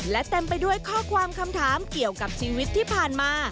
และเต็มไปด้วยข้อความคำถามเกี่ยวกับชีวิตที่ผ่านมา